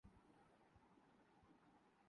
ایک صاحب دانستہ اور دوسرے نادانستہ اس کا حصہ ہیں۔